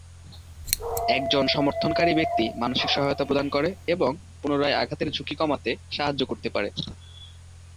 একজন সমর্থনকারী ব্যক্তি মানসিক সহায়তা প্রদান করে এবং পুনরায় আঘাতের ঝুঁকি কমাতে সাহায্য করতে পারে।